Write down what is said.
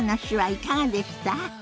いかがでした？